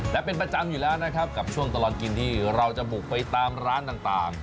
และเป็นประจำอยู่แล้วนะครับกับช่วงตลอดกินที่เราจะบุกไปตามร้านต่าง